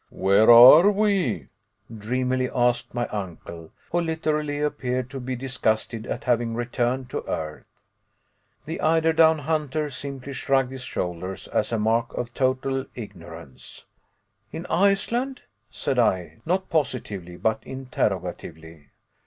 "Where are we?" dreamily asked my uncle, who literally appeared to be disgusted at having returned to earth. The eider down hunter simply shrugged his shoulders as a mark of total ignorance. "In Iceland?" said I, not positively but interrogatively.